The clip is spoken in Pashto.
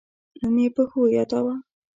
نوم یې په ښو یاداوه.